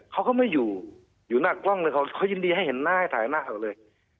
เขาก็ไม่อยู่อยู่หน้ากล้องเลยเขายินดีให้เห็นหน้าให้ถ่ายหน้าเขาเลย